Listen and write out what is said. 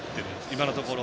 今のところ。